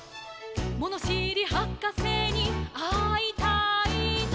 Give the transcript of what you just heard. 「ものしりはかせにあいたいな」